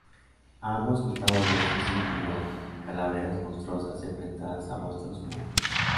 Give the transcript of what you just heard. A ambos costados de este círculo, calaveras monstruosas enfrentadas a rostros humanos.